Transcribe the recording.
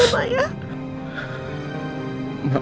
maaf tapi mau sekarang